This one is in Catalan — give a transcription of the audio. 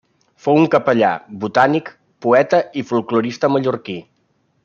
Fou un capellà, botànic, poeta i folklorista mallorquí.